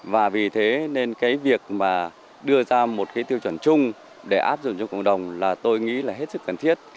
và vì thế nên cái việc mà đưa ra một cái tiêu chuẩn chung để áp dụng cho cộng đồng là tôi nghĩ là hết sức cần thiết